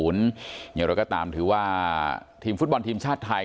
เราก็ตามอย่างถือว่าทีมฟุตบอลทีมชาติไทย